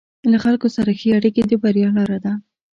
له خلکو سره ښه اړیکې د بریا لاره ده.